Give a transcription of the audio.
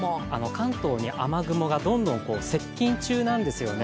関東の雨雲がどんどん接近中なんですよね。